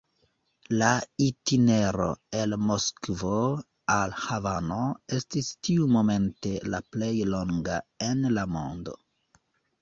La itinero el Moskvo al Havano estis tiumomente la plej longa en la mondo.